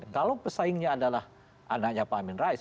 kalau pesaingnya adalah anaknya pak amin rais